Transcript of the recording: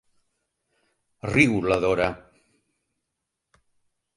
Riu la Dora.